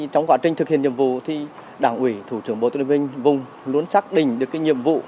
trong quá trình thực hiện nhiệm vụ thì đảng ủy thủ trưởng bộ tư lệnh vùng luôn xác định được nhiệm vụ